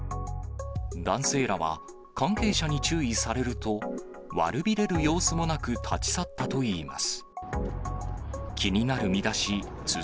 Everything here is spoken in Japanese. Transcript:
男性らは、関係者に注意されると、悪びれる様子もなく、立ち去ったといいます。